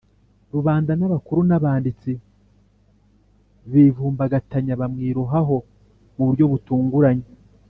rubanda n abakuru n abanditsi bivumbagatanya bamwirohaho mu buryo butunguranye